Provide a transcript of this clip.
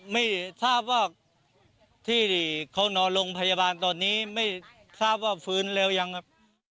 ไม่ทราบว่าที่เขานอนโรงพยาบาลตอนนี้ไม่ทราบว่าฟื้นแล้วยังครับ